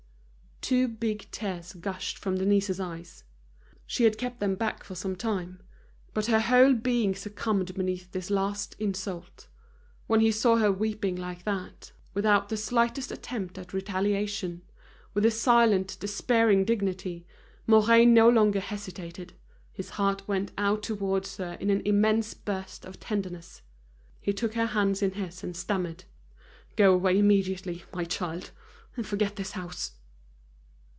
Two big tears gushed from Denise's eyes. She had kept them back for some time, but her whole being succumbed beneath this last insult. When he saw her weeping like that, without the slightest attempt at retaliation, with a silent, despairing dignity, Mouret no longer hesitated, his heart went out towards her in an immense burst of tenderness. He took her hands in his and stammered: "Go away immediately, my child, and forget this house!"